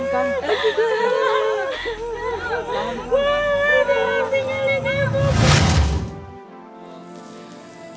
tidak boleh tuhan